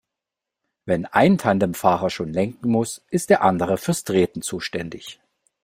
Wenn ein Tandemfahrer schon lenken muss, ist der andere fürs Treten zuständig.